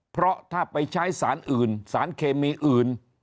เพราะถ้าไปใช้สารอื่นสารเคมีอื่น